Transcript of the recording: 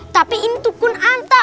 tapi ini tuh kun anta